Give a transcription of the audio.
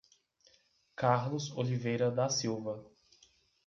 Carlos Oliveira da Silva